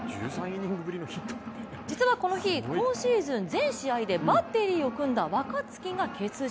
実はこの日、今シーズン全試合でバッテリーを組んだ若月が欠場。